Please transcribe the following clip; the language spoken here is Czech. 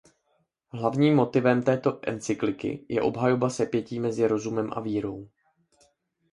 Hlavním motivem této encykliky je obhajoba sepětí mezi rozumem a vírou.